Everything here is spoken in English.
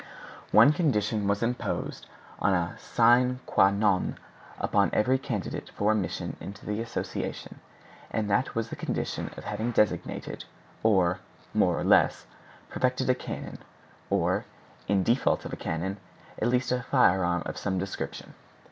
One condition was imposed as a sine quâ non upon every candidate for admission into the association, and that was the condition of having designed, or (more or less) perfected a cannon; or, in default of a cannon, at least a firearm of some description.